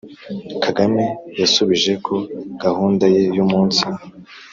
Kagame yasubije ko gahunda ye y’umunsi